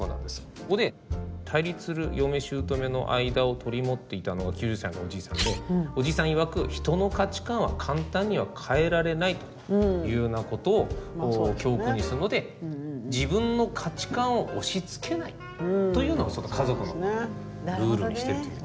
ここで対立する嫁しゅうとめの間を取り持っていたのが９０歳のおじいさんでおじいさんいわく「人の価値観は簡単には変えられない」というようなことを教訓にしたので自分の価値観を押しつけないというのを家族のルールにしているという。